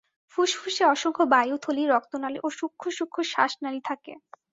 ফুসফুসে অসংখ্য বায়ুথলি, রক্তনালী ও সূক্ষ্ম সূক্ষ্ম শ্বাসনালী থাকে।